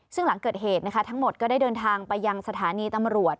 ซึ่งหลังเกิดเหตุนะคะทั้งหมดก็ได้เดินทางไปยังสถานีตำรวจ